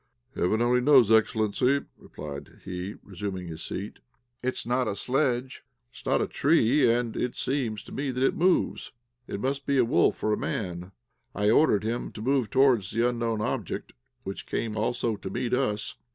"Heaven only knows, excellency," replied he, resuming his seat. "It is not a sledge, it is not a tree, and it seems to me that it moves. It must be a wolf or a man." I ordered him to move towards the unknown object, which came also to meet us.